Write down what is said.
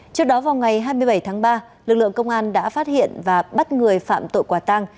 trước đó vào ngày hai mươi bảy tháng ba lực lượng công an đã phát hiện và bắt người phạm tội quả tăng